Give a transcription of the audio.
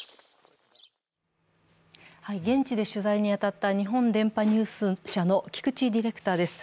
現地で取材に当たった日本電波ニュース社の菊地ディレクターです。